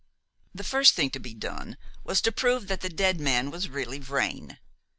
The first thing to be done was to prove that the dead man was really Vrain.